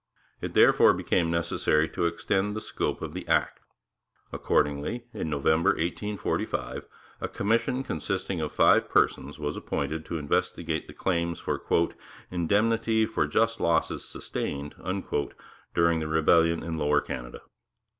It therefore became necessary to extend the scope of the Act. Accordingly, in November 1845, a commission consisting of five persons was appointed to investigate the claims for 'indemnity for just losses sustained' during the rebellion in Lower Canada.